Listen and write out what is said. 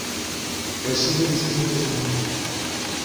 Recibe distintos nombres.